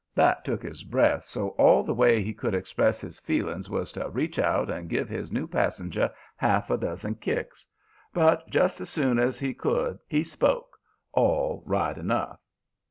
That took his breath so all the way he could express his feelings was to reach out and give his new passenger half a dozen kicks. But just as soon as he could he spoke, all right enough.